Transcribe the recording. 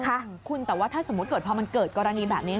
ขอบคุณแต่ว่าถ้าเกิดพอเกิดกรณีแบบนี้